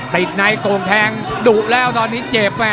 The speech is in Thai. ติดในโก่งแทงดุแล้วตอนนี้เจ็บ